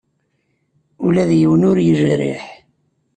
Ula d yiwen ur yejriḥ.